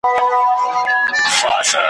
ته به هم کله زلمی وې په همزولو کي ښاغلی ,